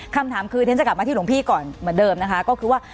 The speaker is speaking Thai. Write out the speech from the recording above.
คำถามคือเรียนจะกลับมาที่หลวงพี่ก่อนเหมือนเดิมนะคะก็คือว่า